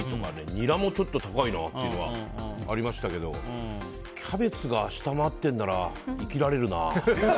ニラもちょっと高いなって思ってましたけどキャベツが下回っているなら生きられるな。